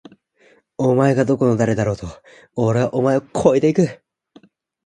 お前がどこの誰だろうと！！おれはお前を超えて行く！！